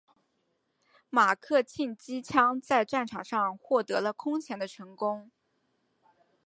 马克沁机枪在战场上获得了空前的成功。